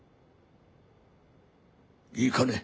いいかね？